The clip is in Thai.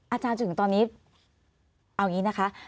อาจารย์จนถึงตอนนี้เอาอย่างนี้นะคะ